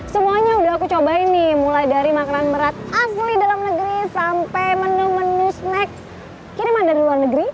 semuanya udah aku cobain nih mulai dari makanan berat asli dalam negeri sampai menu menu snack kiriman dari luar negeri